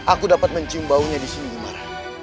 aku dapat mencium baunya disini gemara